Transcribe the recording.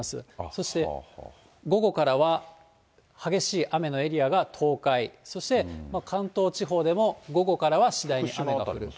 そして、午後からは激しい雨のエリアが東海、そして関東地方でも、午後からは次第に雨が降る。